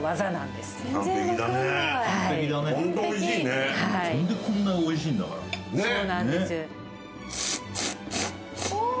それでこんなにおいしいんだから。